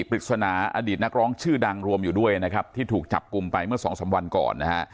ปริศนาอดีตนักร้องชื่อดังรวมอยู่ด้วยนะครับที่ถูกจับกลุ่มไปเมื่อสองสามวันก่อนนะฮะ